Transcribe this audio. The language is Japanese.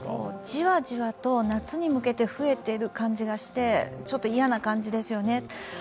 じわじわと夏に向けて増えている感じがしてちょっと嫌な感じですよね。